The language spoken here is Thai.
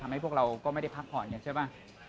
ทำให้พวกเราก็ไม่ได้พักผ่อนเนี่ยใช่ป่ะ